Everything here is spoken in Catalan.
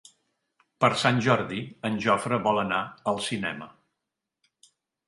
Per Sant Jordi en Jofre vol anar al cinema.